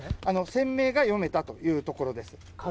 船名が読めたというところです。